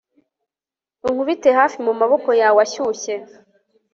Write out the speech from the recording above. unkubite hafi mumaboko yawe ashyushye